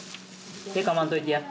手かまんといてや。